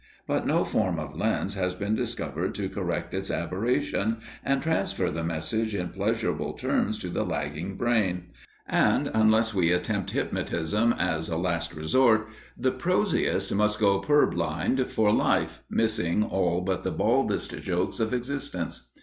But no form of lens has been discovered to correct its aberration and transfer the message in pleasurable terms to the lagging brain; and, unless we attempt hypnotism as a last resort, the prosiest must go purblind for life, missing all but the baldest jokes of existence.